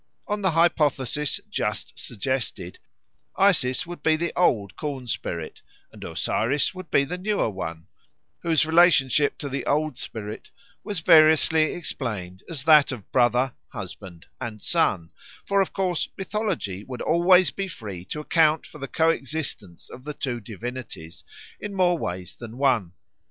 On the hypothesis just suggested, Isis would be the old corn spirit, and Osiris would be the newer one, whose relationship to the old spirit was variously explained as that of brother, husband, and son; for of course mythology would always be free to account for the coexistence of the two divinities in more ways than one.